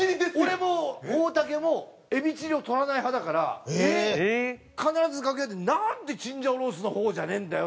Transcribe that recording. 俺も大竹もエビチリを取らない派だから必ず楽屋で「なんでチンジャオロースの方じゃねえんだよ」